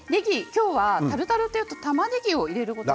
今日はタルタルというとたまねぎを入れること